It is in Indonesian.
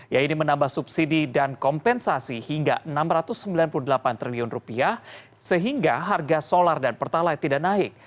yaitu menambah subsidi dan kompensasi hingga rp enam ratus sembilan puluh delapan triliun sehingga harga solar dan pertalai tidak naik